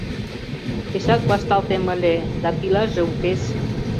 — Пешак вашталтем ыле, да пилаже укес!